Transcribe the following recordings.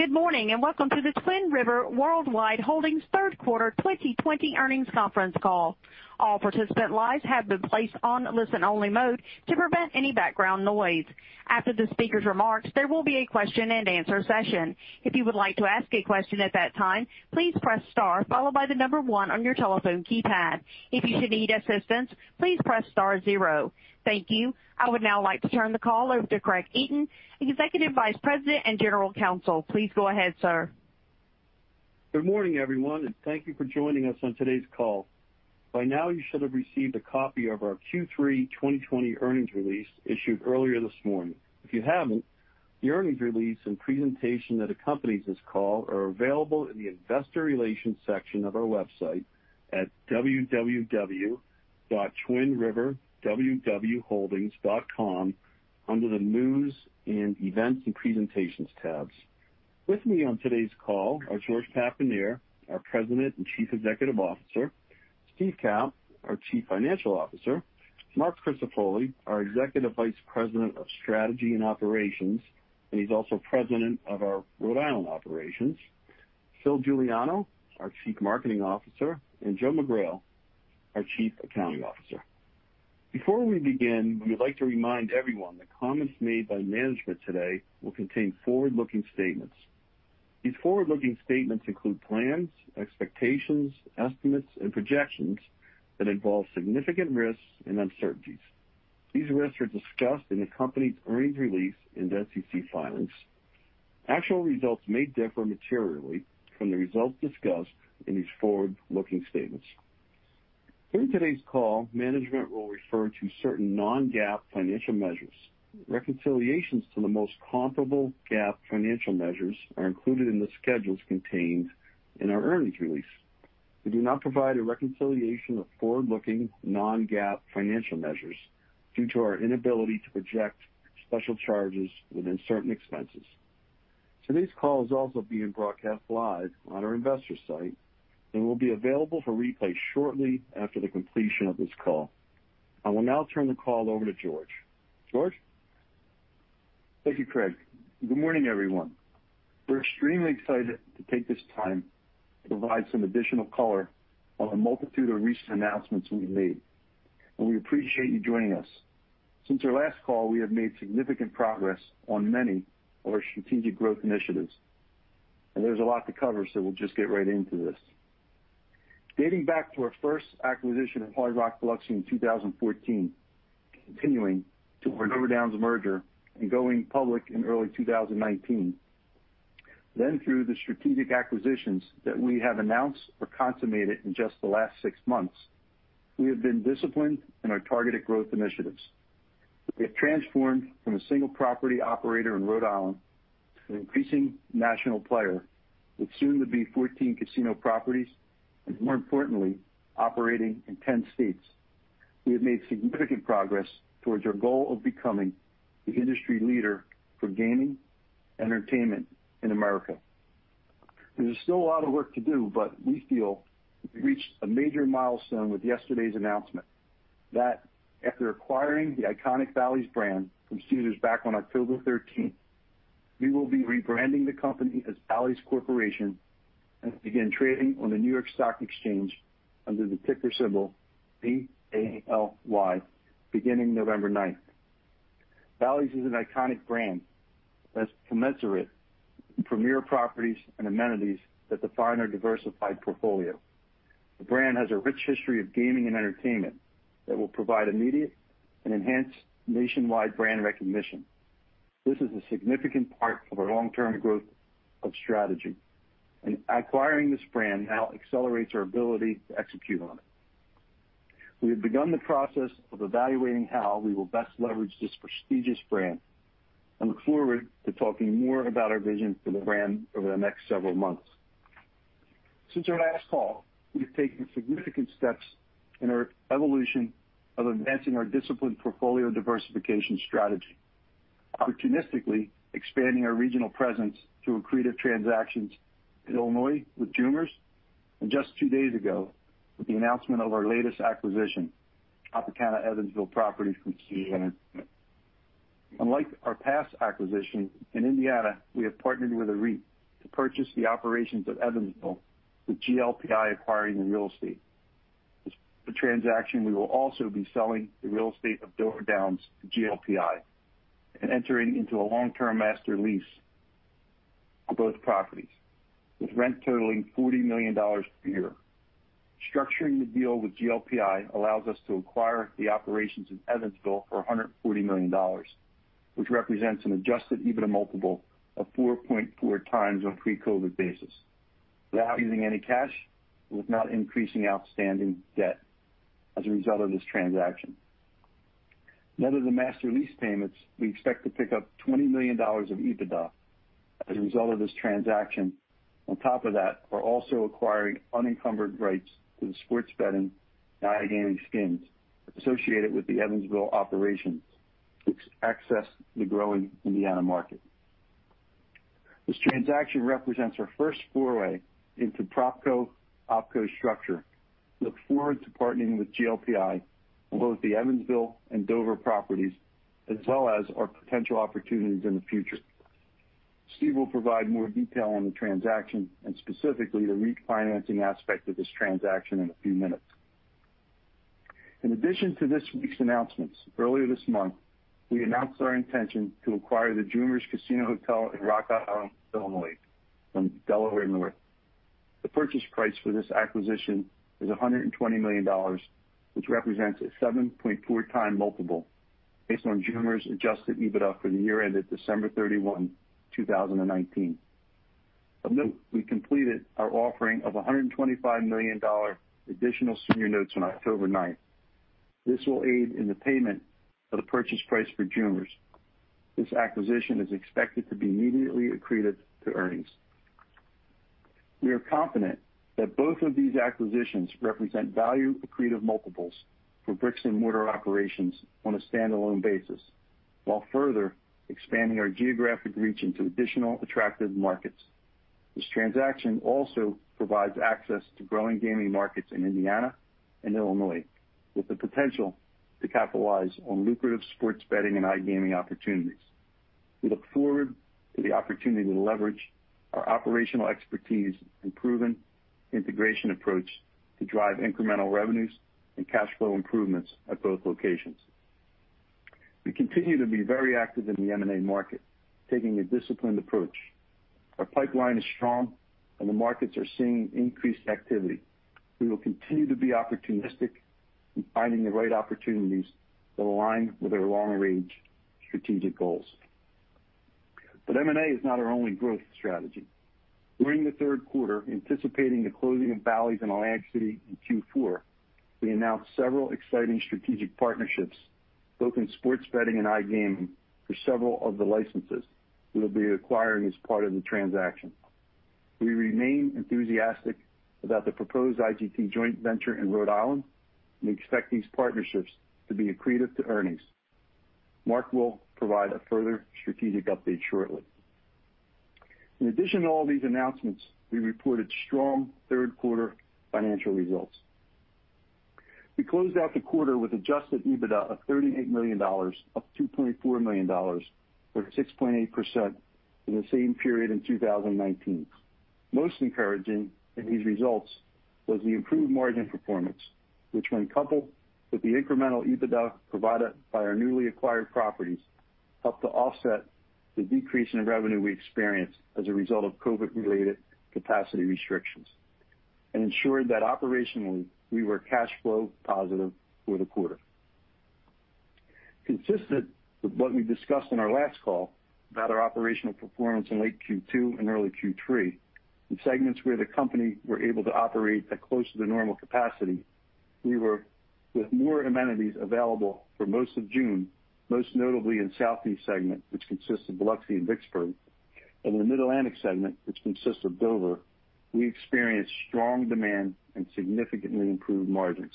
Good morning. Welcome to the Twin River Worldwide Holdings third quarter 2020 earnings conference call. I would now like to turn the call over to Craig Eaton, Executive Vice President and General Counsel. Please go ahead, sir. Good morning, everyone, thank you for joining us on today's call. By now, you should have received a copy of our Q3 2020 earnings release issued earlier this morning. If you haven't, the earnings release and presentation that accompanies this call are available in the investor relations section of our website at www.twinriverwwholdings.com under the news and events and presentations tabs. With me on today's call are George Papanier, our President and Chief Executive Officer, Steve Capp, our Chief Financial Officer, Marc Crisafulli, our Executive Vice President of Strategy and Operations, and he's also President of our Rhode Island operations, Phil Juliano, our Chief Marketing Officer, and Joe McGrail, our Chief Accounting Officer. Before we begin, we would like to remind everyone that comments made by management today will contain forward-looking statements. These forward-looking statements include plans, expectations, estimates, and projections that involve significant risks and uncertainties. These risks are discussed in the company's earnings release and SEC filings. Actual results may differ materially from the results discussed in these forward-looking statements. During today's call, management will refer to certain non-GAAP financial measures. Reconciliations to the most comparable GAAP financial measures are included in the schedules contained in our earnings release. We do not provide a reconciliation of forward-looking non-GAAP financial measures due to our inability to project special charges within certain expenses. Today's call is also being broadcast live on our investor site and will be available for replay shortly after the completion of this call. I will now turn the call over to George. George? Thank you, Craig. Good morning, everyone. We're extremely excited to take this time to provide some additional color on the multitude of recent announcements we've made, and we appreciate you joining us. Since our last call, we have made significant progress on many of our strategic growth initiatives, and there's a lot to cover, so we'll just get right into this. Dating back to our first acquisition of Hard Rock Biloxi in 2014, continuing toward Dover Downs merger and going public in early 2019, then through the strategic acquisitions that we have announced or consummated in just the last 6 months, we have been disciplined in our targeted growth initiatives. We have transformed from a single property operator in Rhode Island to an increasing national player with soon to be 14 casino properties, and more importantly, operating in 10 states. We have made significant progress towards our goal of becoming the industry leader for gaming entertainment in America. There's still a lot of work to do, but we feel we reached a major milestone with yesterday's announcement that after acquiring the iconic Bally's brand from Caesars back on October 13th, we will be rebranding the company as Bally's Corporation and begin trading on the New York Stock Exchange under the ticker symbol BALY beginning November 9th. Bally's is an iconic brand that's commensurate with premier properties and amenities that define our diversified portfolio. The brand has a rich history of gaming and entertainment that will provide immediate and enhanced nationwide brand recognition. This is a significant part of our long-term growth strategy. Acquiring this brand now accelerates our ability to execute on it. We have begun the process of evaluating how we will best leverage this prestigious brand and look forward to talking more about our vision for the brand over the next several months. Since our last call, we've taken significant steps in our evolution of advancing our disciplined portfolio diversification strategy, opportunistically expanding our regional presence through accretive transactions in Illinois with Jumer's, and just two days ago with the announcement of our latest acquisition, Tropicana Evansville property from Caesars Entertainment. Unlike our past acquisition, in Indiana, we have partnered with a REIT to purchase the operations of Evansville, with GLPI acquiring the real estate. As part of the transaction, we will also be selling the real estate of Dover Downs to GLPI and entering into a long-term master lease for both properties, with rent totaling $40 million per year. Structuring the deal with GLPI allows us to acquire the operations in Evansville for $140 million, which represents an adjusted EBITDA multiple of 4.4x on a pre-COVID basis without using any cash and with not increasing outstanding debt as a result of this transaction. Net of the master lease payments, we expect to pick up $20 million of EBITDA as a result of this transaction. On top of that, we're also acquiring unencumbered rights to the sports betting and iGaming skins associated with the Evansville operations to access the growing Indiana market. This transaction represents our first foray into propco opco structure. Look forward to partnering with GLPI on both the Evansville and Dover properties, as well as our potential opportunities in the future. Steve will provide more detail on the transaction and specifically the refinancing aspect of this transaction in a few minutes. In addition to this week's announcements, earlier this month, we announced our intention to acquire the Jumer's Casino & Hotel in Rock Island, Illinois, from Delaware North. The purchase price for this acquisition is $120 million, which represents a 7.4x multiple based on Jumer's adjusted EBITDA for the year ended December 31, 2019. Of note, we completed our offering of $125 million additional senior notes on October 9th. This will aid in the payment of the purchase price for Jumer's. This acquisition is expected to be immediately accretive to earnings. We are confident that both of these acquisitions represent value accretive multiples for bricks-and-mortar operations on a standalone basis, while further expanding our geographic reach into additional attractive markets. This transaction also provides access to growing gaming markets in Indiana and Illinois, with the potential to capitalize on lucrative sports betting and iGaming opportunities. We look forward to the opportunity to leverage our operational expertise and proven integration approach to drive incremental revenues and cash flow improvements at both locations. We continue to be very active in the M&A market, taking a disciplined approach. Our pipeline is strong and the markets are seeing increased activity. We will continue to be opportunistic in finding the right opportunities that align with our long-range strategic goals. M&A is not our only growth strategy. During the third quarter, anticipating the closing of Bally's in Atlantic City in Q4, we announced several exciting strategic partnerships, both in sports betting and iGaming for several of the licenses we will be acquiring as part of the transaction. We remain enthusiastic about the proposed IGT joint venture in Rhode Island, and we expect these partnerships to be accretive to earnings. Marc will provide a further strategic update shortly. In addition to all these announcements, we reported strong third quarter financial results. We closed out the quarter with adjusted EBITDA of $38 million, up $2.4 million or 6.8% from the same period in 2019. Most encouraging in these results was the improved margin performance, which, when coupled with the incremental EBITDA provided by our newly acquired properties, helped to offset the decrease in revenue we experienced as a result of COVID-related capacity restrictions and ensured that operationally, we were cash flow positive for the quarter. Consistent with what we discussed on our last call about our operational performance in late Q2 and early Q3, in segments where the company were able to operate at close to the normal capacity, we were with more amenities available for most of June, most notably in Southeast segment, which consists of Biloxi and Vicksburg, and the Mid-Atlantic segment, which consists of Dover, we experienced strong demand and significantly improved margins.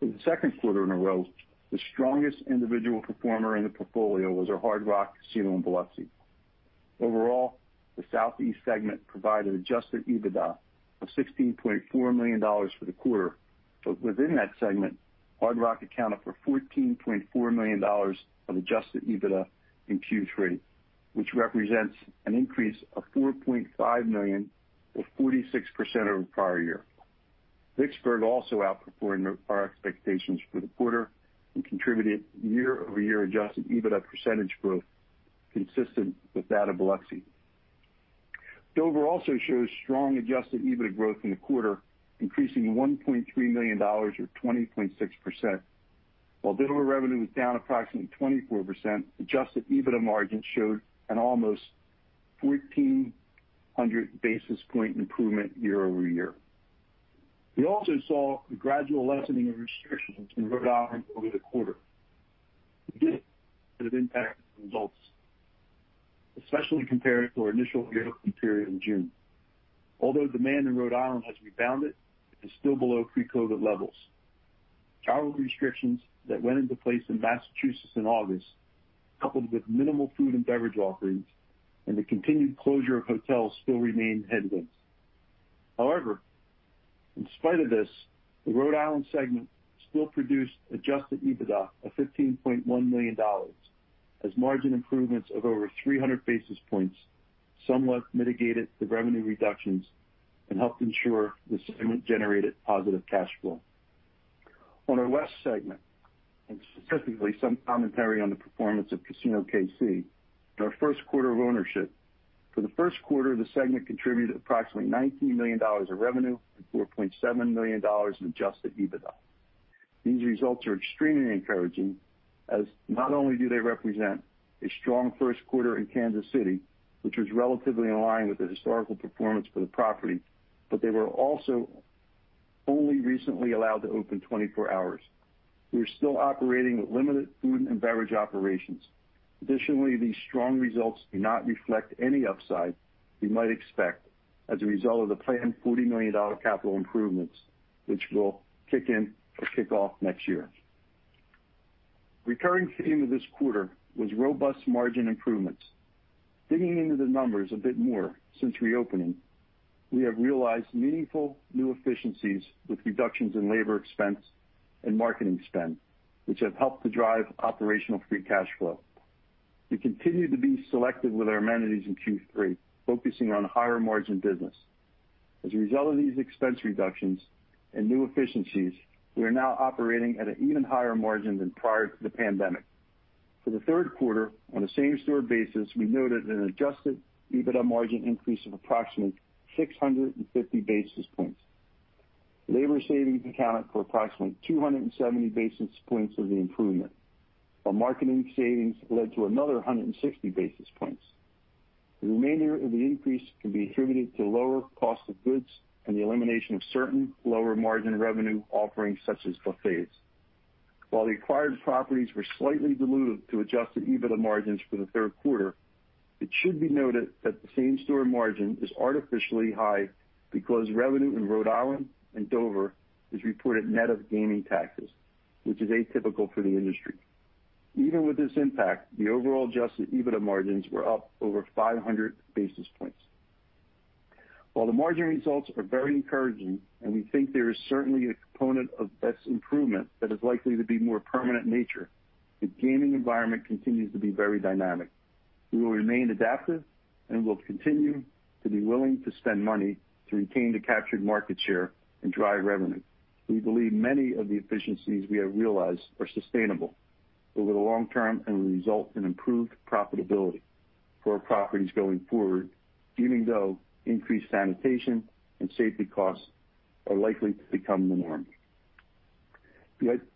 For the second quarter in a row, the strongest individual performer in the portfolio was our Hard Rock Casino in Biloxi. Overall, the Southeast segment provided adjusted EBITDA of $16.4 million for the quarter. Within that segment, Hard Rock accounted for $14.4 million of adjusted EBITDA in Q3, which represents an increase of $4.5 million or 46% over the prior year. Vicksburg also outperformed our expectations for the quarter and contributed year-over-year adjusted EBITDA percentage growth consistent with that of Biloxi. Dover also shows strong adjusted EBITDA growth in the quarter, increasing $1.3 million or 20.6%. While Dover revenue was down approximately 24%, adjusted EBITDA margin showed an almost 1,400 basis point improvement year-over-year. We also saw a gradual lessening of restrictions in Rhode Island over the quarter. To date, it has impacted the results, especially compared to our initial reopening period in June. Although demand in Rhode Island has rebounded, it is still below pre-COVID levels. Travel restrictions that went into place in Massachusetts in August, coupled with minimal food and beverage offerings and the continued closure of hotels still remain headwinds. In spite of this, the Rhode Island segment still produced adjusted EBITDA of $15.1 million as margin improvements of over 300 basis points somewhat mitigated the revenue reductions and helped ensure the segment generated positive cash flow. On our West segment, specifically some commentary on the performance of Casino KC, in our first quarter of ownership, for the first quarter, the segment contributed approximately $19 million of revenue and $4.7 million in adjusted EBITDA. These results are extremely encouraging, as not only do they represent a strong first quarter in Kansas City, which was relatively in line with the historical performance for the property, but they were also only recently allowed to open 24 hours. We are still operating with limited food and beverage operations. Additionally, these strong results do not reflect any upside we might expect as a result of the planned $40 million capital improvements which will kick off next year. Recurring theme of this quarter was robust margin improvements. Digging into the numbers a bit more since reopening, we have realized meaningful new efficiencies with reductions in labor expense and marketing spend, which have helped to drive operational free cash flow. We continue to be selective with our amenities in Q3, focusing on higher margin business. As a result of these expense reductions and new efficiencies, we are now operating at an even higher margin than prior to the pandemic. For the third quarter, on a same-store basis, we noted an adjusted EBITDA margin increase of approximately 650 basis points. Labor savings accounted for approximately 270 basis points of the improvement, while marketing savings led to another 160 basis points. The remainder of the increase can be attributed to lower cost of goods and the elimination of certain lower margin revenue offerings such as buffets. While the acquired properties were slightly dilutive to adjusted EBITDA margins for the third quarter, it should be noted that the same-store margin is artificially high because revenue in Rhode Island and Dover is reported net of gaming taxes, which is atypical for the industry. Even with this impact, the overall adjusted EBITDA margins were up over 500 basis points. While the margin results are very encouraging and we think there is certainly a component of this improvement that is likely to be more permanent in nature, the gaming environment continues to be very dynamic. We will remain adaptive and will continue to be willing to spend money to retain the captured market share and drive revenue. We believe many of the efficiencies we have realized are sustainable over the long term and will result in improved profitability for our properties going forward, even though increased sanitation and safety costs are likely to become the norm.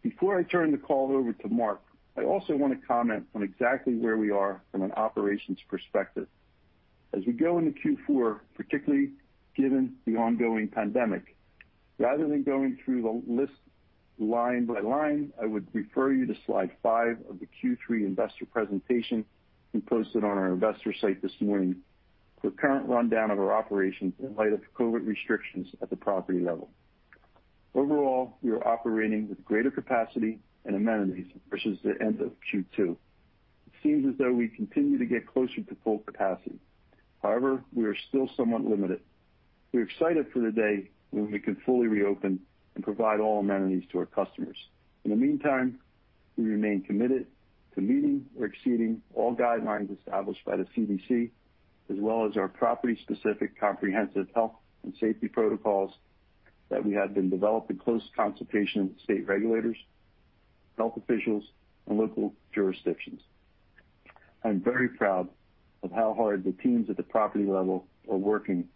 Before I turn the call over to Marc, I also want to comment on exactly where we are from an operations perspective. As we go into Q4, particularly given the ongoing pandemic, rather than going through the list line by line, I would refer you to slide five of the Q3 investor presentation we posted on our investor site this morning for a current rundown of our operations in light of COVID restrictions at the property level. Overall, we are operating with greater capacity and amenities versus the end of Q2. It seems as though we continue to get closer to full capacity. However, we are still somewhat limited. We're excited for the day when we can fully reopen and provide all amenities to our customers. In the meantime, we remain committed to meeting or exceeding all guidelines established by the CDC, as well as our property-specific comprehensive health and safety protocols that we have been developing in close consultation with state regulators, health officials, and local jurisdictions. I'm very proud of how hard the teams at the property level are working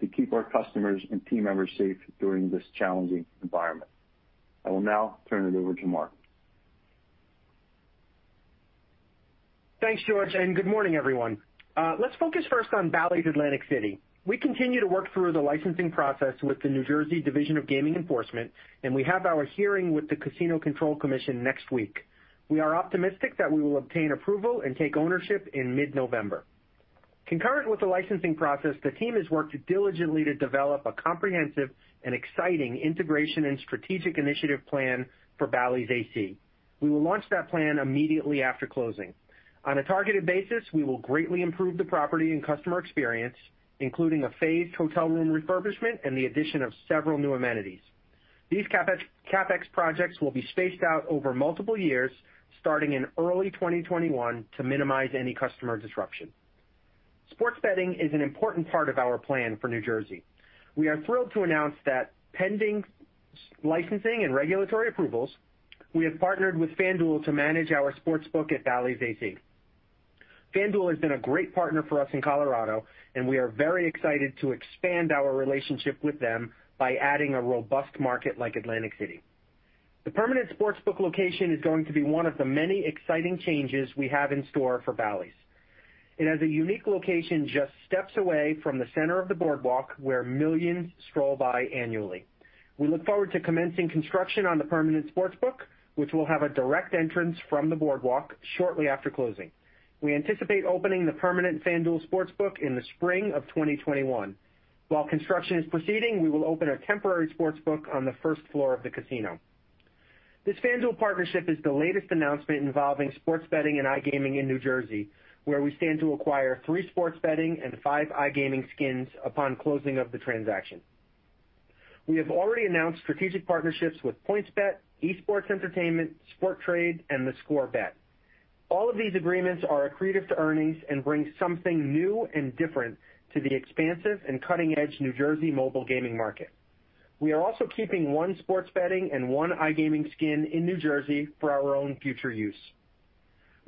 to keep our customers and team members safe during this challenging environment. I will now turn it over to Marc. Thanks, George, and good morning, everyone. Let's focus first on Bally's Atlantic City. We continue to work through the licensing process with the New Jersey Division of Gaming Enforcement, and we have our hearing with the Casino Control Commission next week. We are optimistic that we will obtain approval and take ownership in mid-November. Concurrent with the licensing process, the team has worked diligently to develop a comprehensive and exciting integration and strategic initiative plan for Bally's AC. We will launch that plan immediately after closing. On a targeted basis, we will greatly improve the property and customer experience, including a phased hotel room refurbishment and the addition of several new amenities. These CapEx projects will be spaced out over multiple years, starting in early 2021 to minimize any customer disruption. sports betting is an important part of our plan for New Jersey. We are thrilled to announce that pending licensing and regulatory approvals, we have partnered with FanDuel to manage our sports book at Bally's AC. FanDuel has been a great partner for us in Colorado, and we are very excited to expand our relationship with them by adding a robust market like Atlantic City. The permanent sports book location is going to be one of the many exciting changes we have in store for Bally's. It has a unique location just steps away from the center of the boardwalk, where millions stroll by annually. We look forward to commencing construction on the permanent sports book, which will have a direct entrance from the boardwalk shortly after closing. We anticipate opening the permanent FanDuel sports book in the spring of 2021. While construction is proceeding, we will open a temporary sports book on the first floor of the casino. This FanDuel partnership is the latest announcement involving sports betting and iGaming in New Jersey, where we stand to acquire three sports betting and five iGaming skins upon closing of the transaction. We have already announced strategic partnerships with PointsBet, Esports Entertainment, Sporttrade, and theScore Bet. All of these agreements are accretive to earnings and bring something new and different to the expansive and cutting-edge New Jersey mobile gaming market. We are also keeping one sports betting and one iGaming skin in New Jersey for our own future use.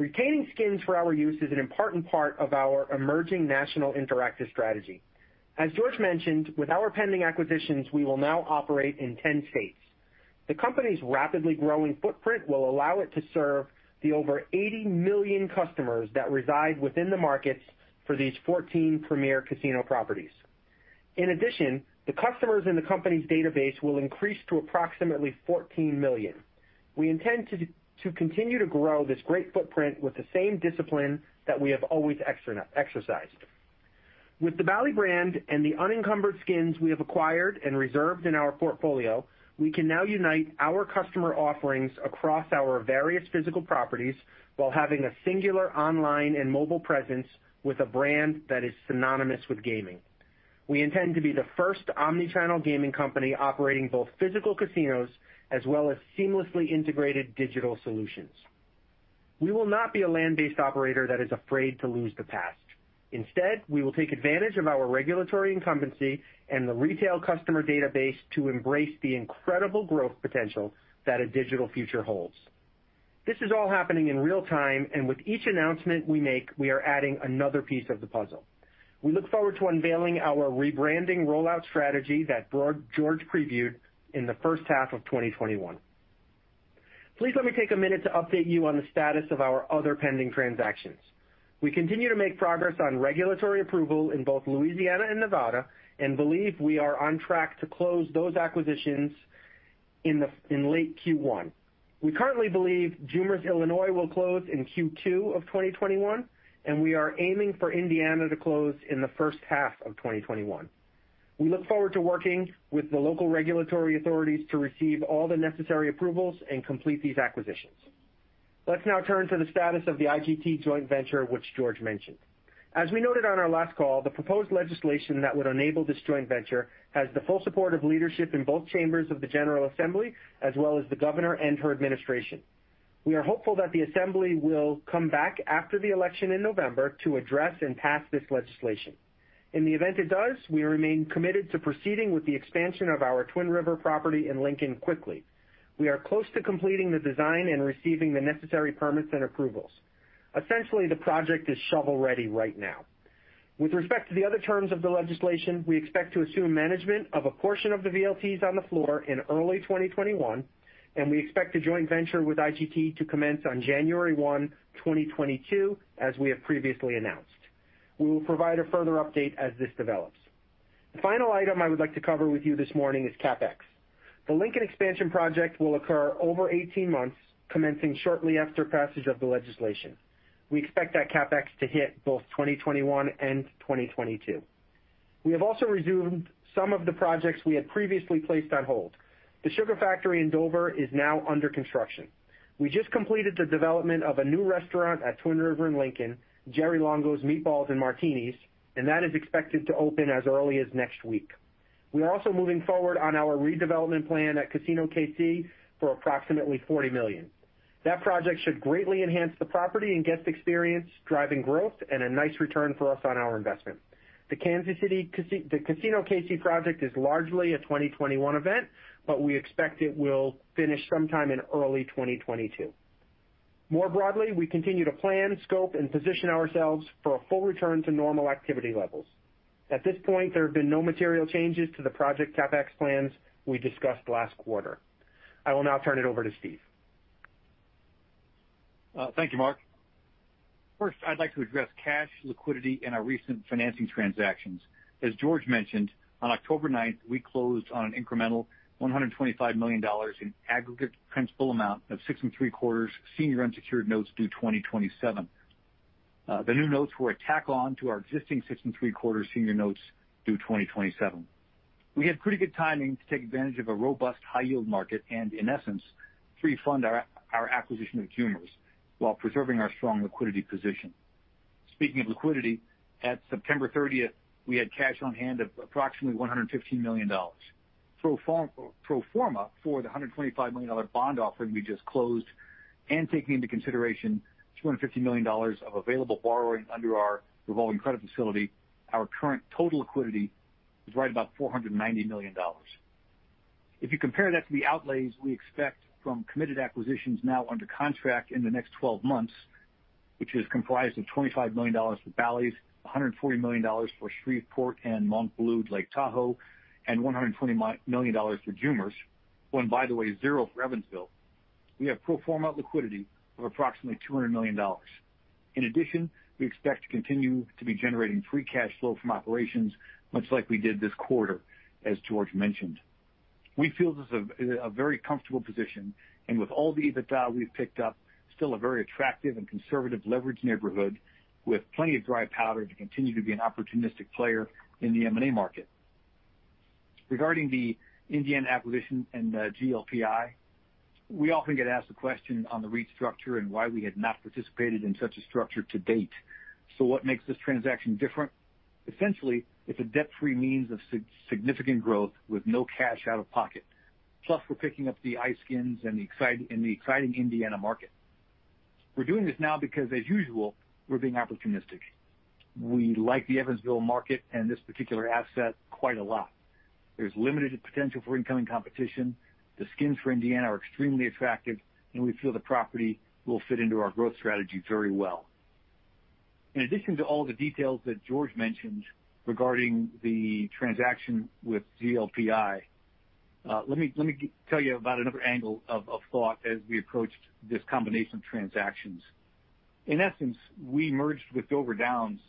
Retaining skins for our use is an important part of our emerging national interactive strategy. As George mentioned, with our pending acquisitions, we will now operate in 10 states. The company's rapidly growing footprint will allow it to serve the over 80 million customers that reside within the markets for these 14 premier casino properties. In addition, the customers in the company's database will increase to approximately 14 million. We intend to continue to grow this great footprint with the same discipline that we have always exercised. With the Bally's brand and the unencumbered skins we have acquired and reserved in our portfolio, we can now unite our customer offerings across our various physical properties while having a singular online and mobile presence with a brand that is synonymous with gaming. We intend to be the first omni-channel gaming company operating both physical casinos as well as seamlessly integrated digital solutions. We will not be a land-based operator that is afraid to lose the past. Instead, we will take advantage of our regulatory incumbency and the retail customer database to embrace the incredible growth potential that a digital future holds. This is all happening in real time, and with each announcement we make, we are adding another piece of the puzzle. We look forward to unveiling our rebranding rollout strategy that George previewed in the first half of 2021. Please let me take a minute to update you on the status of our other pending transactions. We continue to make progress on regulatory approval in both Louisiana and Nevada and believe we are on track to close those acquisitions in late Q1. We currently believe Jumer's, Illinois, will close in Q2 of 2021, and we are aiming for Indiana to close in the first half of 2021. We look forward to working with the local regulatory authorities to receive all the necessary approvals and complete these acquisitions. Let's now turn to the status of the IGT joint venture, which George mentioned. As we noted on our last call, the proposed legislation that would enable this joint venture has the full support of leadership in both chambers of the General Assembly, as well as the governor and her administration. We are hopeful that the assembly will come back after the election in November to address and pass this legislation. In the event it does, we remain committed to proceeding with the expansion of our Twin River property in Lincoln quickly. We are close to completing the design and receiving the necessary permits and approvals. Essentially, the project is shovel-ready right now. With respect to the other terms of the legislation, we expect to assume management of a portion of the VLTs on the floor in early 2021, and we expect the joint venture with IGT to commence on January 1, 2022, as we have previously announced. We will provide a further update as this develops. The final item I would like to cover with you this morning is CapEx. The Lincoln expansion project will occur over 18 months, commencing shortly after passage of the legislation. We expect that CapEx to hit both 2021 and 2022. We have also resumed some of the projects we had previously placed on hold. The Sugar Factory in Dover is now under construction. We just completed the development of a new restaurant at Twin River in Lincoln, Jerry Longo's Meatballs & Martinis, and that is expected to open as early as next week. We are also moving forward on our redevelopment plan at Casino KC for approximately $40 million. That project should greatly enhance the property and guest experience, driving growth and a nice return for us on our investment. The Casino KC project is largely a 2021 event, but we expect it will finish sometime in early 2022. More broadly, we continue to plan, scope, and position ourselves for a full return to normal activity levels. At this point, there have been no material changes to the project CapEx plans we discussed last quarter. I will now turn it over to Steve. Thank you, Marc. First, I'd like to address cash liquidity in our recent financing transactions. As George mentioned, on October 9th, we closed on an incremental $125 million in aggregate principal amount of six and three-quarters senior unsecured notes due 2027. The new notes were a tack on to our existing six and three-quarters senior notes due 2027. We had pretty good timing to take advantage of a robust high-yield market and, in essence, pre-fund our acquisition of Jumer's while preserving our strong liquidity position. Speaking of liquidity, at September 30th, we had cash on hand of approximately $115 million. Pro forma for the $125 million bond offering we just closed and taking into consideration $250 million of available borrowing under our revolving credit facility, our current total liquidity is right about $490 million. If you compare that to the outlays we expect from committed acquisitions now under contract in the next 12 months, which is comprised of $25 million for Bally's, $140 million for Shreveport and MontBleu Lake Tahoe, and $120 million for Jumer's, oh, and by the way, zero for Evansville, we have pro forma liquidity of approximately $200 million. In addition, we expect to continue to be generating free cash flow from operations much like we did this quarter, as George mentioned. We feel this is a very comfortable position, and with all the EBITDA we've picked up, still a very attractive and conservative leverage neighborhood with plenty of dry powder to continue to be an opportunistic player in the M&A market. Regarding the Indiana acquisition and the GLPI, we often get asked the question on the REIT structure and why we had not participated in such a structure to date. What makes this transaction different? Essentially, it's a debt-free means of significant growth with no cash out of pocket. We're picking up the iSkins in the exciting Indiana market. We're doing this now because, as usual, we're being opportunistic. We like the Evansville market and this particular asset quite a lot. There's limited potential for incoming competition. The skins for Indiana are extremely attractive, and we feel the property will fit into our growth strategy very well. In addition to all the details that George mentioned regarding the transaction with GLPI, let me tell you about another angle of thought as we approached this combination of transactions. In essence, we merged with Dover Downs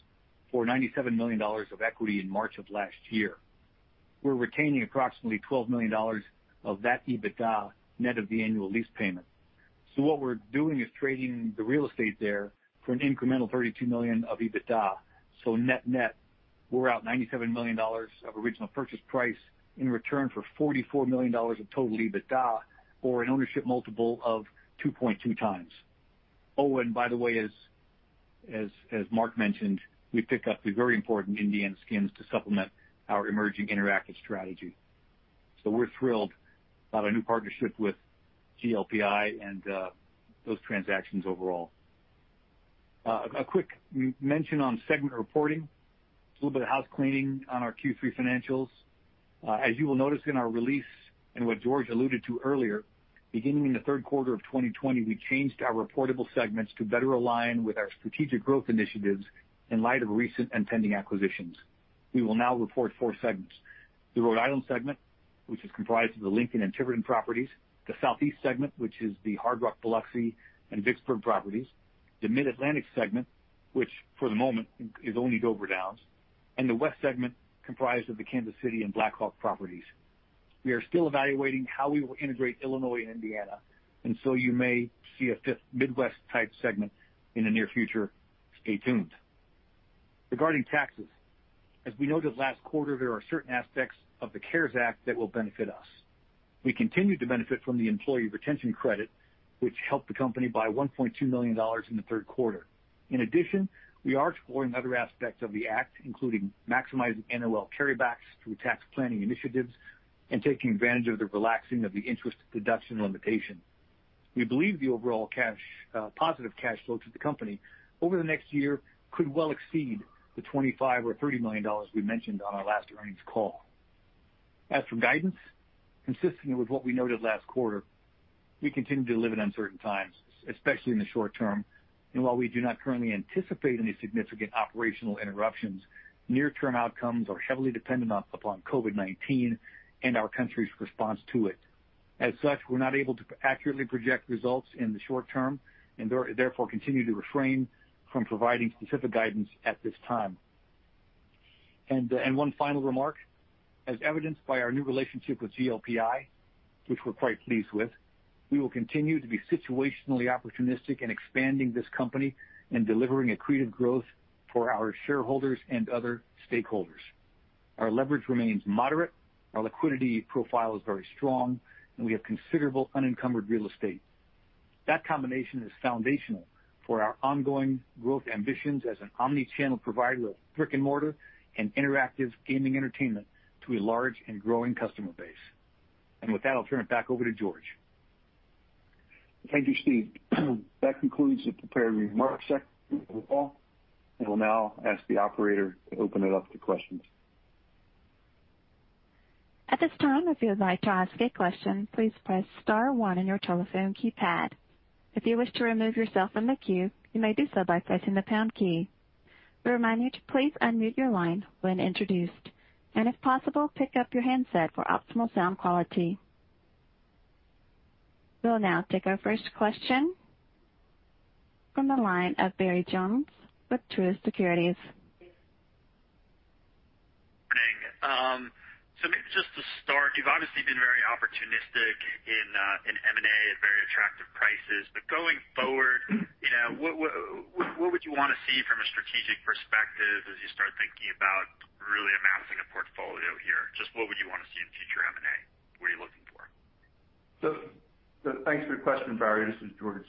for $97 million of equity in March of last year. We're retaining approximately $12 million of that EBITDA net of the annual lease payment. What we're doing is trading the real estate there for an incremental $32 million of EBITDA. Net-net, we're out $97 million of original purchase price in return for $44 million of total EBITDA or an ownership multiple of 2.2x. Oh, and by the way, as Marc mentioned, we pick up the very important Indiana skins to supplement our emerging interactive strategy. We're thrilled about our new partnership with GLPI and those transactions overall. A quick mention on segment reporting, a little bit of housecleaning on our Q3 financials. As you will notice in our release and what George alluded to earlier, beginning in the third quarter of 2020, we changed our reportable segments to better align with our strategic growth initiatives in light of recent and pending acquisitions. We will now report four segments. The Rhode Island Segment, which is comprised of the Lincoln and Tiverton properties, the Southeast Segment, which is the Hard Rock Biloxi and Vicksburg properties, the Mid-Atlantic Segment, which for the moment is only Dover Downs, and the West Segment comprised of the Kansas City and Black Hawk properties. We are still evaluating how we will integrate Illinois and Indiana, and so you may see a fifth Midwest type Segment in the near future. Stay tuned. Regarding taxes, as we noted last quarter, there are certain aspects of the CARES Act that will benefit us. We continue to benefit from the employee retention credit, which helped the company by $1.2 million in the third quarter. In addition, we are exploring other aspects of the act, including maximizing NOL carrybacks through tax planning initiatives and taking advantage of the relaxing of the interest deduction limitation. We believe the overall positive cash flow to the company over the next year could well exceed the $25 million or $30 million we mentioned on our last earnings call. As for guidance, consistent with what we noted last quarter, we continue to live in uncertain times, especially in the short term. While we do not currently anticipate any significant operational interruptions, near-term outcomes are heavily dependent upon COVID-19 and our country's response to it. As such, we're not able to accurately project results in the short term and therefore, continue to refrain from providing specific guidance at this time. One final remark. As evidenced by our new relationship with GLPI, which we're quite pleased with, we will continue to be situationally opportunistic in expanding this company and delivering accretive growth for our shareholders and other stakeholders. Our leverage remains moderate, our liquidity profile is very strong, and we have considerable unencumbered real estate. That combination is foundational for our ongoing growth ambitions as an omni-channel provider of brick and mortar and interactive gaming entertainment to a large and growing customer base. With that, I'll turn it back over to George. Thank you, Steve. That concludes the prepared remarks section of the call. I will now ask the operator to open it up to questions. At this time, if you would like to ask a question, please press star one on your telephone keypad. If you wish to remove yourself from the queue, you may do so by pressing the pound key. We remind you to please unmute your line when introduced. And if possible, pick up your handset for optimal sound quality. We'll now take our first question from the line of Barry Jonas with Truist Securities. Morning. Maybe just to start, you've obviously been very opportunistic in M&A at very attractive prices. Going forward, what would you want to see from a strategic perspective as you start thinking about really amassing a portfolio here? Just what would you want to see in future M&A? What are you looking for? Thanks for the question, Barry. This is George.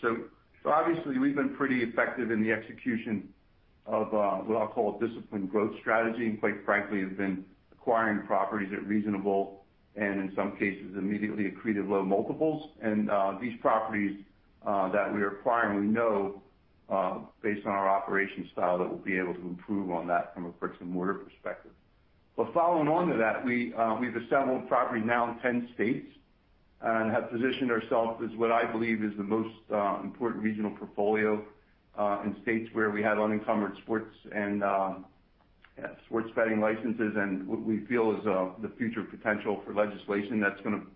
Obviously, we've been pretty effective in the execution of what I'll call a disciplined growth strategy, and quite frankly, have been acquiring properties at reasonable and, in some cases, immediately accretive low multiples. These properties that we are acquiring, we know, based on our operation style, that we'll be able to improve on that from a bricks and mortar perspective. Following on to that, we've assembled property now in 10 states and have positioned ourselves as what I believe is the most important regional portfolio, in states where we have unencumbered sports betting licenses and what we feel is the future potential for legislation that's going to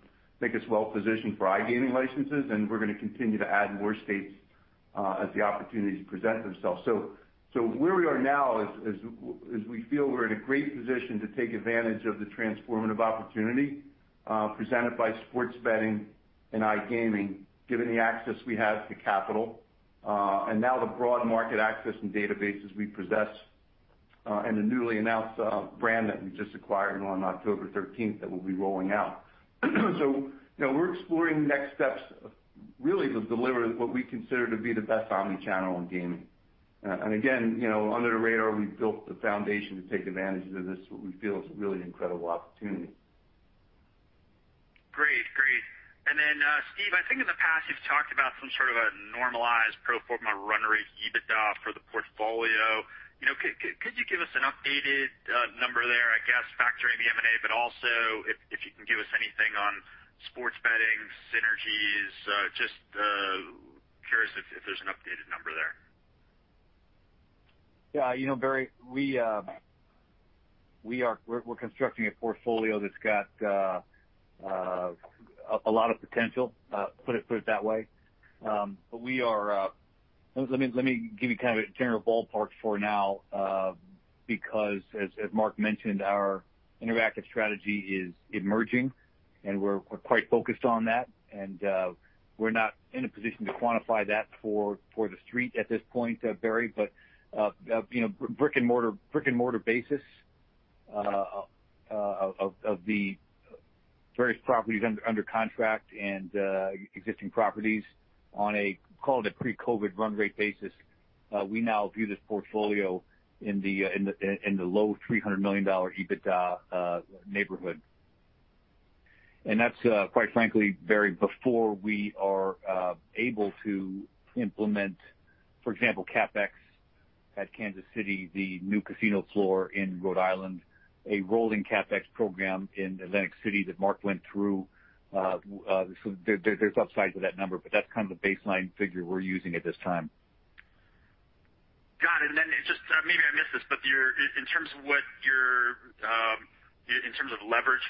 make us well-positioned for iGaming licenses, and we're going to continue to add more states as the opportunities present themselves. Where we are now is we feel we're in a great position to take advantage of the transformative opportunity presented by sports betting and iGaming, given the access we have to capital. Now the broad market access and databases we possess and the newly announced brand that we just acquired on October 13th that we'll be rolling out. We're exploring next steps really to deliver what we consider to be the best omni-channel in gaming. Again, under the radar, we've built the foundation to take advantage of this, what we feel is a really incredible opportunity. Great. Steve, I think in the past you've talked about some sort of a normalized pro forma run rate EBITDA for the portfolio. Could you give us an updated number there, I guess factoring the M&A, but also if you can give us anything on sports betting synergies? Just curious if there's an updated number there. Yeah, Barry, we're constructing a portfolio that's got a lot of potential, put it that way. Let me give you a general ballpark for now, because as Marc mentioned, our interactive strategy is emerging, and we're quite focused on that. We're not in a position to quantify that for the street at this point, Barry. Brick and mortar basis of the various properties under contract and existing properties on a, call it, pre-COVID run rate basis, we now view this portfolio in the low $300 million EBITDA neighborhood. That's, quite frankly, Barry, before we are able to implement, for example, CapEx at Kansas City, the new casino floor in Rhode Island, a rolling CapEx program in Atlantic City that Marc went through. There's upside to that number, but that's the baseline figure we're using at this time. Got it. Just, maybe I missed this, but in terms of leverage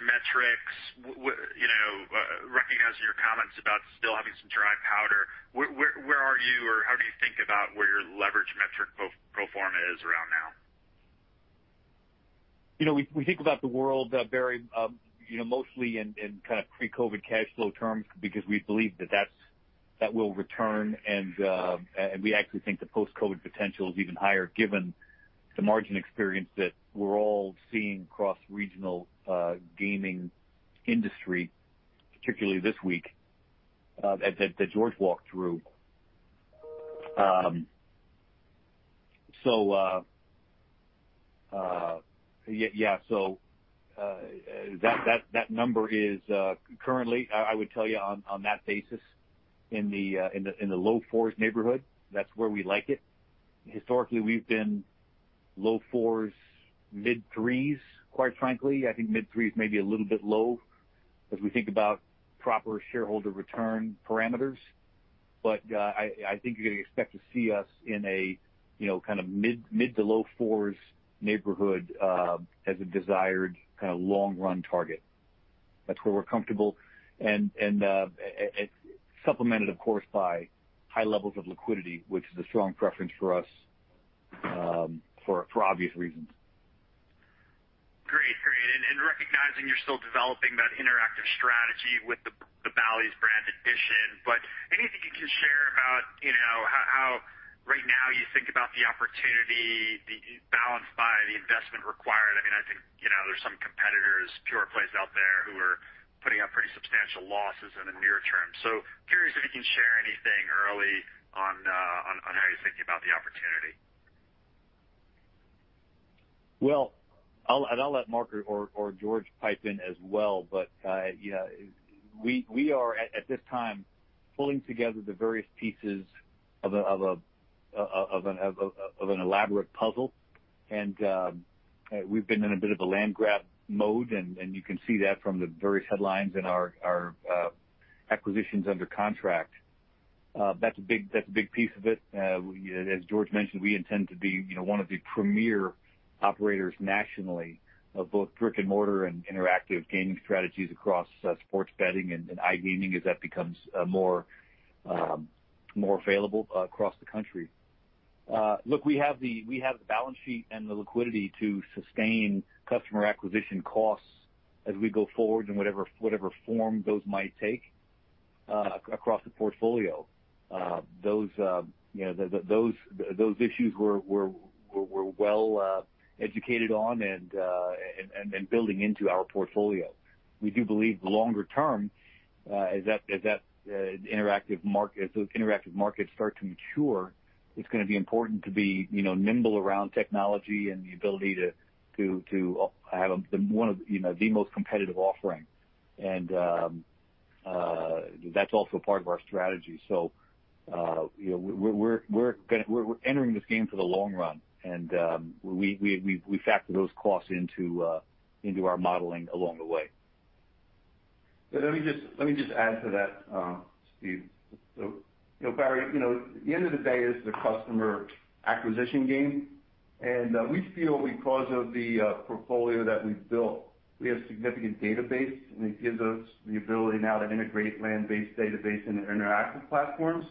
metrics, recognizing your comments about still having some dry powder, where are you or how do you think about where your leverage metric pro forma is around now? We think about the world, Barry, mostly in pre-COVID cash flow terms because we believe that will return. We actually think the post-COVID potential is even higher given the margin experience that we're all seeing across regional gaming industry, particularly this week, that George walked through. That number is currently, I would tell you, on that basis, in the low fours neighborhood. That's where we like it. Historically, we've been low fours, mid threes, quite frankly. I think mid threes may be a little bit low as we think about proper shareholder return parameters. I think you're going to expect to see us in a mid to low fours neighborhood as a desired long-run target. That's where we're comfortable. It's supplemented, of course, by high levels of liquidity, which is a strong preference for us for obvious reasons. Great. Recognizing you're still developing that interactive strategy with the Bally's brand addition, anything you can share about how right now you think about the opportunity balanced by the investment required? I think there's some competitors, pure plays out there, who are putting up pretty substantial losses in the near term. Curious if you can share anything early on how you're thinking about the opportunity. Well, I'll let Marc or George pipe in as well, but we are, at this time, pulling together the various pieces of an elaborate puzzle. We've been in a bit of a land grab mode, and you can see that from the various headlines in our acquisitions under contract. That's a big piece of it. As George mentioned, we intend to be one of the premier operators nationally of both brick and mortar and interactive gaming strategies across sports betting and iGaming as that becomes more available across the country. Look, we have the balance sheet and the liquidity to sustain customer acquisition costs as we go forward in whatever form those might take across the portfolio. Those issues we're well educated on and building into our portfolio. We do believe longer term, as those interactive markets start to mature, it's going to be important to be nimble around technology and the ability to have the most competitive offering. That's also part of our strategy. We're entering this game for the long run, and we factor those costs into our modeling along the way. Let me just add to that, Steve. Barry, at the end of the day, it's the customer acquisition game. We feel because of the portfolio that we've built, we have significant database, and it gives us the ability now to integrate land-based database into interactive platforms.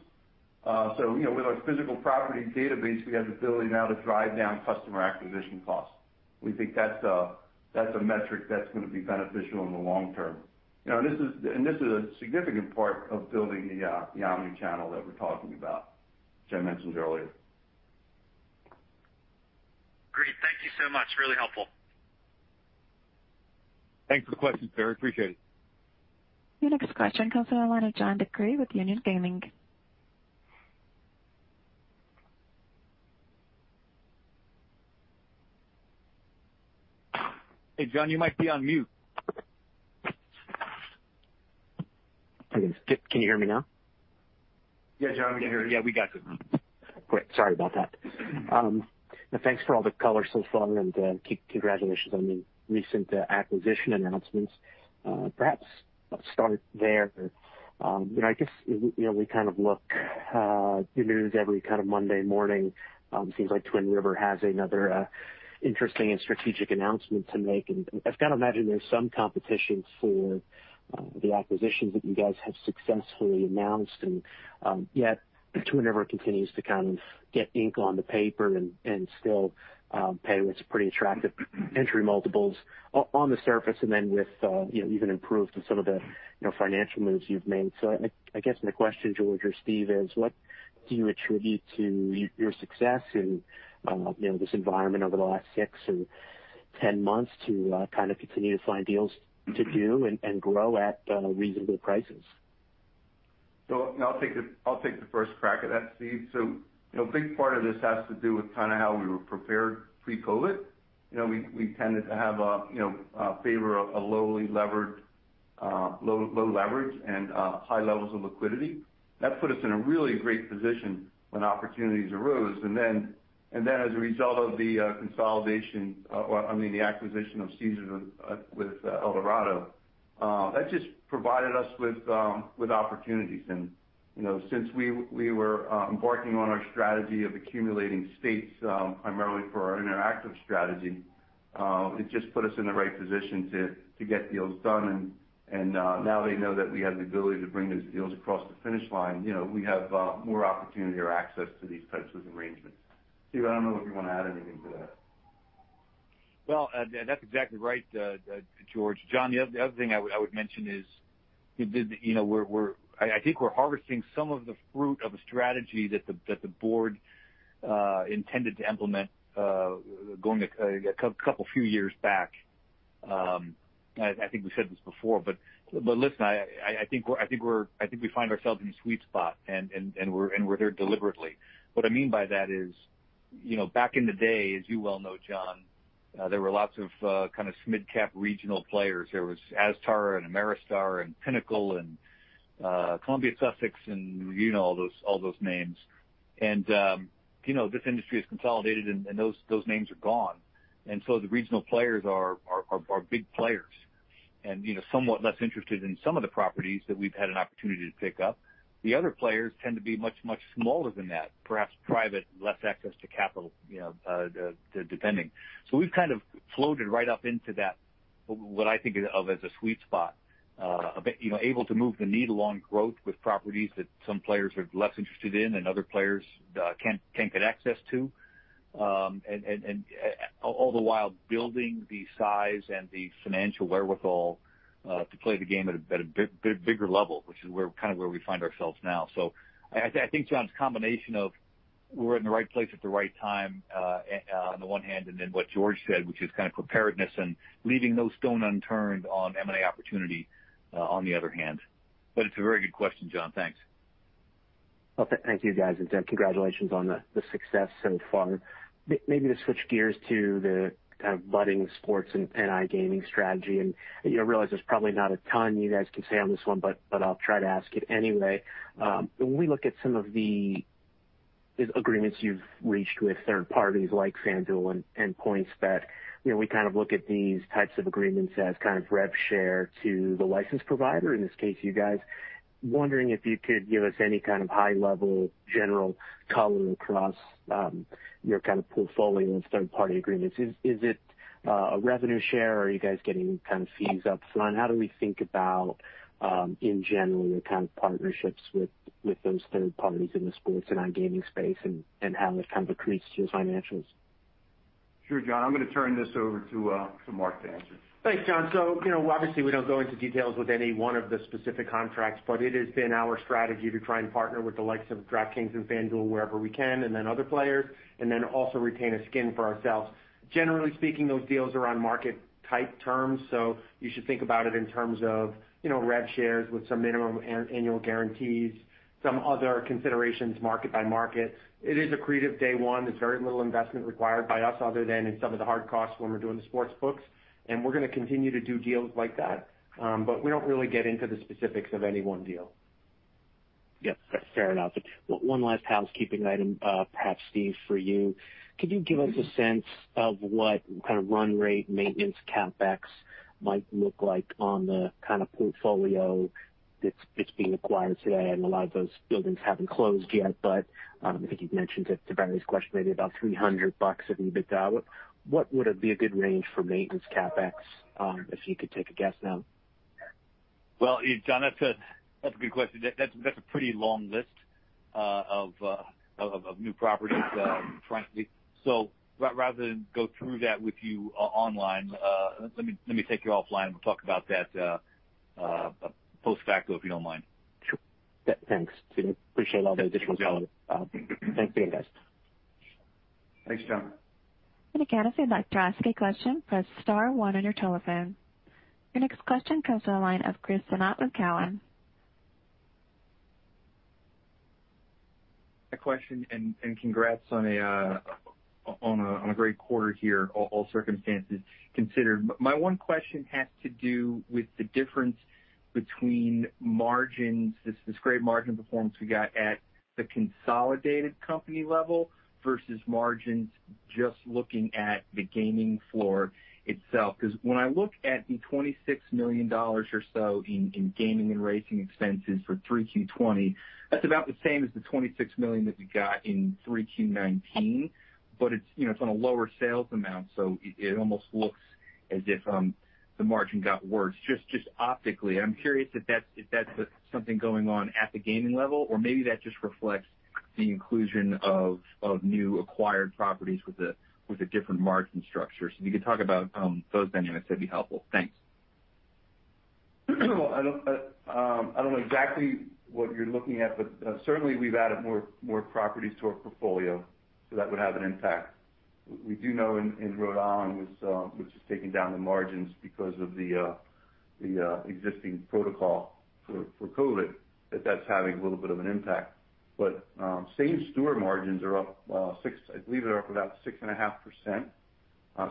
With our physical property database, we have the ability now to drive down customer acquisition costs. We think that's a metric that's going to be beneficial in the long term. This is a significant part of building the omni-channel that we're talking about, which I mentioned earlier. Great. Thank you so much. Really helpful. Thanks for the question, Barry. Appreciate it. Your next question comes from the line of John DeCree with Union Gaming. Hey, John, you might be on mute. Can you hear me now? Yeah, John, can you hear me? Yeah, we got you. Great. Sorry about that. Thanks for all the color so far, congratulations on the recent acquisition announcements. Perhaps I'll start there. I guess, we look at the news every Monday morning. Seems like Twin River has another interesting and strategic announcement to make. I've got to imagine there's some competition for the acquisitions that you guys have successfully announced, yet Twin River continues to get ink on the paper and still pay what's pretty attractive entry multiples on the surface, and then with even improvements, some of the financial moves you've made. I guess my question, George or Steve, is what do you attribute to your success in this environment over the last six and 10 months to continue to find deals to do and grow at reasonable prices? I'll take the first crack at that, Steve. A big part of this has to do with how we were prepared pre-COVID. We tended to favor a low leverage and high levels of liquidity. That put us in a really great position when opportunities arose. As a result of the consolidation, I mean, the acquisition of Caesars with Eldorado, that just provided us with opportunities. Since we were embarking on our strategy of accumulating states, primarily for our interactive strategy, it just put us in the right position to get deals done. Now they know that we have the ability to bring those deals across the finish line. We have more opportunity or access to these types of arrangements. Steve, I don't know if you want to add anything to that? Well, that's exactly right, George. John, the other thing I would mention is, I think we're harvesting some of the fruit of a strategy that the board intended to implement going a few years back. I think we said this before, but listen, I think we find ourselves in a sweet spot, and we're there deliberately. What I mean by that is, back in the day, as you well know, John, there were lots of mid-cap regional players. There was Aztar and Ameristar and Pinnacle and Columbia Sussex and you know all those names. This industry has consolidated, and those names are gone. The regional players are big players and somewhat less interested in some of the properties that we've had an opportunity to pick up. The other players tend to be much, much smaller than that, perhaps private, less access to capital, depending. We've kind of floated right up into that, what I think of as a sweet spot. Able to move the needle on growth with properties that some players are less interested in and other players can't get access to. All the while building the size and the financial wherewithal, to play the game at a bigger level, which is where we find ourselves now. I think, John, it's a combination of we're in the right place at the right time, on the one hand, and then what George said, which is kind of preparedness and leaving no stone unturned on M&A opportunity, on the other hand. It's a very good question, John. Thanks. Well, thank you, guys, and congratulations on the success so far. To switch gears to the kind of budding sports and iGaming strategy. I realize there's probably not a ton you guys can say on this one. I'll try to ask it anyway. When we look at some of the agreements you've reached with third parties like FanDuel and PointsBet, we look at these types of agreements as kind of rev share to the license provider, in this case, you guys. Wondering if you could give us any kind of high-level, general color across your kind of portfolio of third-party agreements? Is it a revenue share, or are you guys getting fees up front? How do we think about, in general, your kind of partnerships with those third parties in the sports and iGaming space and how this increases your financials? Sure, John, I'm going to turn this over to Marc to answer. Thanks, John. Obviously we don't go into details with any one of the specific contracts, but it has been our strategy to try and partner with the likes of DraftKings and FanDuel wherever we can, and then other players, and then also retain a skin for ourselves. Generally speaking, those deals are on market-type terms. You should think about it in terms of rev shares with some minimum annual guarantees, some other considerations, market by market. It is accretive day one. There's very little investment required by us other than in some of the hard costs when we're doing the sportsbooks. We're going to continue to do deals like that. We don't really get into the specifics of any one deal. Yeah. Fair enough. One last housekeeping item, perhaps Steve, for you. Could you give us a sense of what kind of run rate maintenance CapEx might look like on the kind of portfolio that's being acquired today? A lot of those buildings haven't closed yet, but, I think you'd mentioned it to Barry's question, maybe about $300 of EBITDA. What would be a good range for maintenance CapEx, if you could take a guess now? Well, John, that's a good question. That's a pretty long list of new properties, frankly. Rather than go through that with you online, let me take you offline. We'll talk about that post facto, if you don't mind. Sure. Thanks, Steve. Appreciate all the additional color. Yeah. Thank you guys. Thanks, John. Again, if you'd like to ask a question, press star one on your telephone. Your next question comes to the line of Chris Sonnatt with Cowen. A question. Congrats on a great quarter here, all circumstances considered. My one question has to do with the difference between margins, this great margin performance we got at the consolidated company level versus margins just looking at the gaming floor itself. When I look at the $26 million or so in gaming and racing expenses for 3Q20, that's about the same as the $26 million that we got in 3Q19. It's on a lower sales amount, so it almost looks as if the margin got worse, just optically. I'm curious if that's something going on at the gaming level, or maybe that just reflects the inclusion of new acquired properties with a different margin structure. If you could talk about those dynamics, that'd be helpful. Thanks. Well, I don't know exactly what you're looking at, but certainly we've added more properties to our portfolio, so that would have an impact. We do know in Rhode Island, which is taking down the margins because of the existing protocol for COVID, that that's having a little bit of an impact. Same store margins are up, I believe they're up about 6.5%,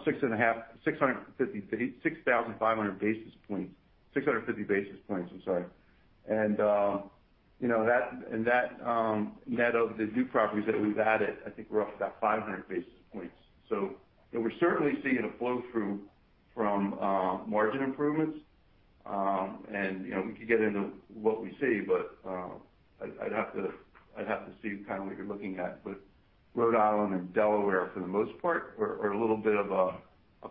6,500 basis points. 650 basis points, I'm sorry. That net of the new properties that we've added, I think we're up about 500 basis points. We're certainly seeing a flow-through from margin improvements. We could get into what we see, but I'd have to see kind of what you're looking at. Rhode Island and Delaware, for the most part, are a little bit of, I'll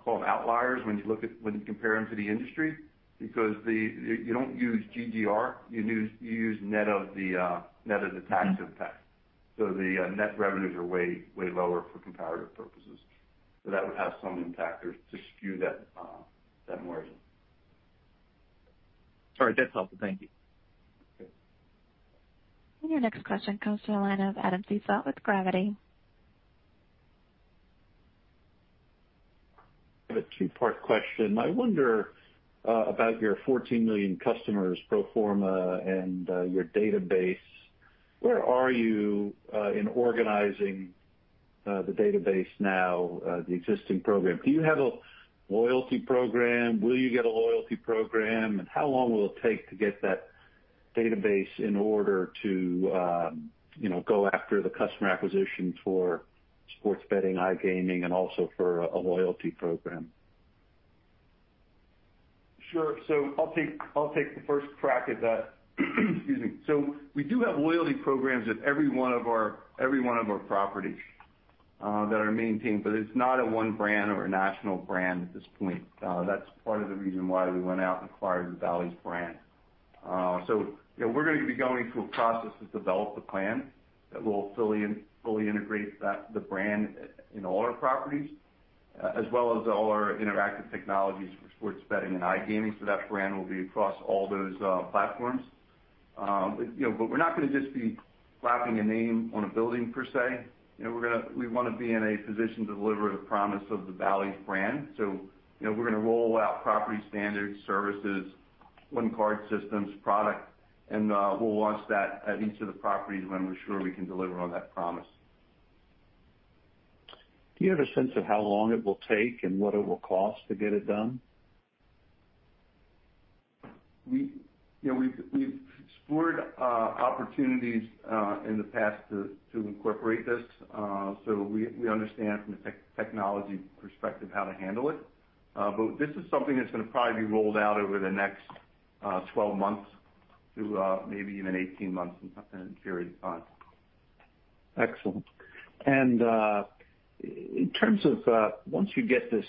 call them outliers when you compare them to the industry, because you don't use GGR, you use net of the tax impact. The net revenues are way lower for comparative purposes. That would have some impact or just skew that margin. All right. That's helpful. Thank you. Okay. Your next question comes to the line of Adam Seessel with Gravity. I have a two-part question. I wonder about your 14 million customers pro forma and your database. Where are you in organizing the database now, the existing program? Do you have a loyalty program? Will you get a loyalty program? How long will it take to get that database in order to go after the customer acquisition for sports betting, iGaming, and also for a loyalty program? Sure. I'll take the first crack at that. Excuse me. We do have loyalty programs at every one of our properties that are maintained, but it's not a one brand or a national brand at this point. That's part of the reason why we went out and acquired the Bally's brand. We're going to be going through a process to develop a plan that will fully integrate the brand in all our properties, as well as all our interactive technologies for sports betting and iGaming. That brand will be across all those platforms. We're not going to just be slapping a name on a building per se. We want to be in a position to deliver the promise of the Bally's brand. We're going to roll out property standards, services, one card systems, product, and we'll launch that at each of the properties when we're sure we can deliver on that promise. Do you have a sense of how long it will take and what it will cost to get it done? We've explored opportunities in the past to incorporate this. We understand from a technology perspective how to handle it. This is something that's going to probably be rolled out over the next 12 months to maybe even 18 months period of time. Excellent. In terms of, once you get this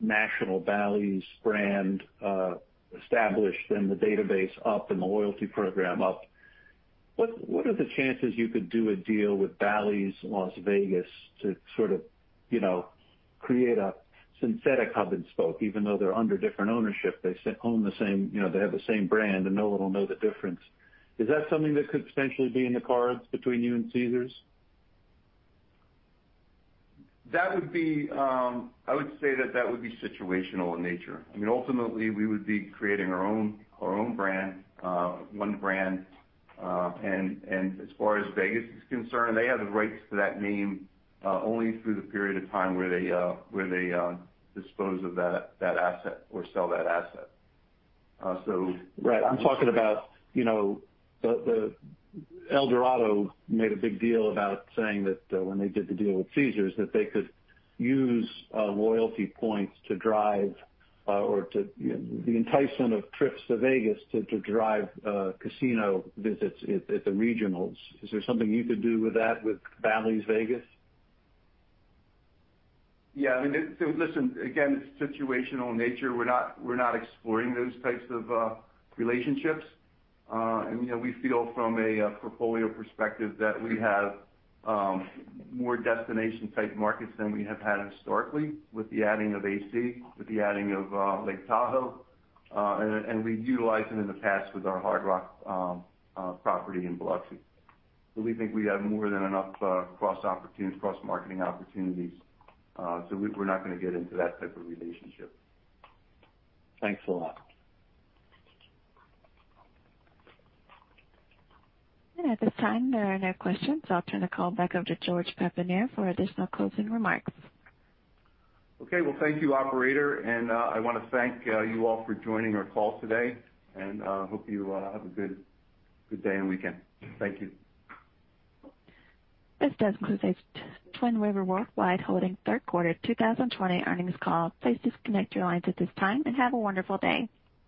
national Bally's brand established and the database up and the loyalty program up, what are the chances you could do a deal with Bally's Las Vegas to sort of create a synthetic hub and spoke, even though they're under different ownership, they have the same brand, and no one will know the difference. Is that something that could potentially be in the cards between you and Caesars? I would say that that would be situational in nature. Ultimately, we would be creating our own brand, one brand. As far as Vegas is concerned, they have the rights to that name, only through the period of time where they dispose of that asset or sell that asset. Right. I'm talking about Eldorado made a big deal about saying that when they did the deal with Caesars, that they could use loyalty points to drive or to the enticement of trips to Vegas to drive casino visits at the regionals. Is there something you could do with that with Bally's Vegas? Yeah. Listen, again, it's situational in nature. We're not exploring those types of relationships. We feel from a portfolio perspective that we have more destination type markets than we have had historically with the adding of AC, with the adding of Lake Tahoe. We've utilized them in the past with our Hard Rock property in Biloxi. We think we have more than enough cross-marketing opportunities. We're not going to get into that type of relationship. Thanks a lot. At this time, there are no questions, so I'll turn the call back over to George Papanier for additional closing remarks. Okay. Well, thank you, operator, and I want to thank you all for joining our call today, and hope you have a good day and weekend. Thank you. This does conclude Twin River Worldwide Holdings third quarter 2020 earnings call. Please disconnect your lines at this time, and have a wonderful day.